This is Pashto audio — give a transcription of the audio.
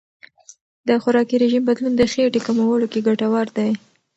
د خوراکي رژیم بدلون د خېټې کمولو کې ګټور دی.